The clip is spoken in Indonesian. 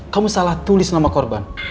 kamu salah tulis nama korban